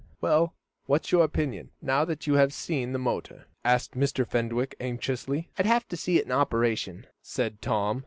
"Well, what's your opinion, now that you have seen the motor?" asked Mr. Fenwick, anxiously. "I'd have to see it in operation," said Tom.